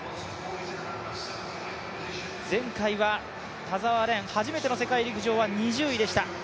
前回は田澤廉、初めての世界陸上は２０位でした。